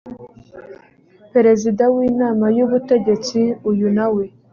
perezida w inama y ubutegetsi uyu nawe